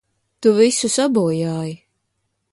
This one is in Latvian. Tu visu sabojāji!